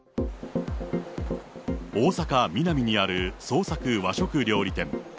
大阪・ミナミにある創作和食料理店。